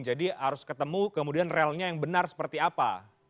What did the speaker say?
jadi harus ketemu kemudian realnya yang benar seperti apa